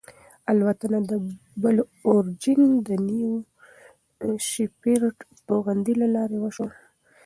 الوتنه د بلو اوریجن د نیو شیپرډ توغندي له لارې وشوه.